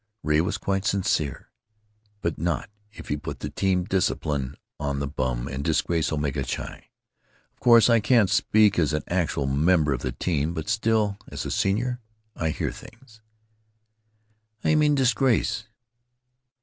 Ray was quite sincere. "But not if you put the team discipline on the bum and disgrace Omega Chi. Of course I can't speak as an actual member of the team, but still, as a senior, I hear things——" "How d'you mean 'disgrace'?"